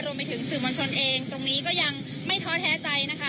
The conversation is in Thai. รวมไปถึงสื่อมวลชนเองตรงนี้ก็ยังไม่ท้อแท้ใจนะคะ